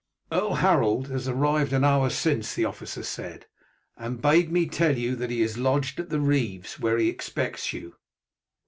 "Earl Harold arrived an hour since," the officer said, "and bade me tell you that he is lodged at the reeve's, where he expects you."